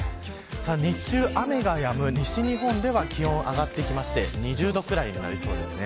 日中、雨がやむ西日本では気温上がってきて２０度くらいになりそうです。